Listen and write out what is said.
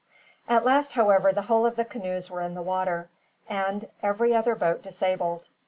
At last, however, the whole of the canoes were in the water, and every other boat disabled.